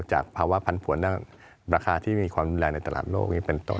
จากภาวะพันผวนด้านราคาที่มีความรุนแรงในตลาดโลกนี้เป็นต้น